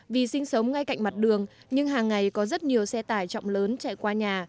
vì sinh sống ngay cạnh mặt đường nhưng hàng ngày có rất nhiều xe tải trọng lớn chạy qua nhà